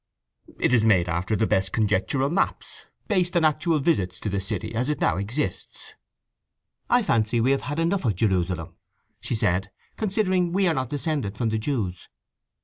"It is made after the best conjectural maps, based on actual visits to the city as it now exists." "I fancy we have had enough of Jerusalem," she said, "considering we are not descended from the Jews.